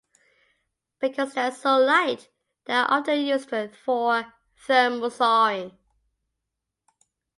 Because they are so light, they are often used for thermal soaring.